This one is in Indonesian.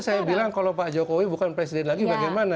saya bilang kalau pak jokowi bukan presiden lagi bagaimana